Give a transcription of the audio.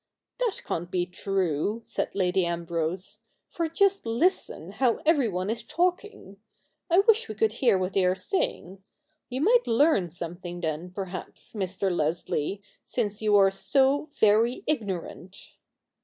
'That can't be true,' said Lady Ambrose, 'for just listen how everyone is talking. I wish we could hear what they are saying. You might learn something then, perhaps, Mr. Leslie, since you are so ver}' ignorant.'